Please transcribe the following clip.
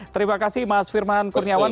terima kasih mas firman kurniawan